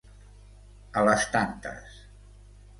A les tantes.